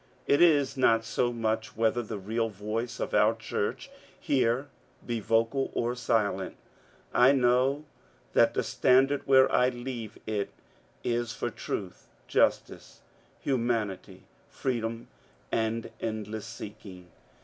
It is not so much whether the real yoice of our church here be yocal or silent — I know that the standard, where I leaye it, is for Truth, Jus tice, Humanity, Freedom, and Endless Seeking.